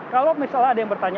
kalau misalnya ada yang bertanya